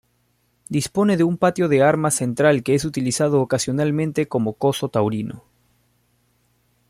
Dispone de un patio de armas central, que es utilizado ocasionalmente como coso taurino.